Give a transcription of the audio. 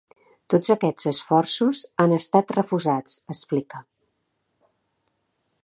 Tots aquests esforços han estat refusats, explica.